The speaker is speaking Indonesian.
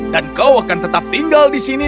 dan kau akan tetap tinggal di sini